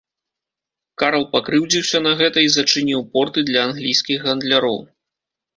Карл пакрыўдзіўся на гэта і зачыніў порты для англійскіх гандляроў.